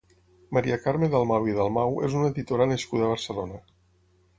Maria Carme Dalmau i Dalmau és una editora nascuda a Barcelona.